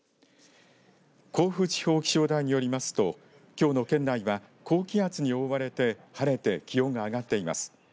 甲府地方気象台によりますときょうの県内は高気圧に覆われて晴れて気温が上がっています。